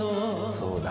そうだ。